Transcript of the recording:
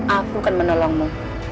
aku akan menolongmu